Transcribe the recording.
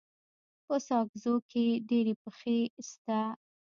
په ساکزو کي ډيري پښي سته.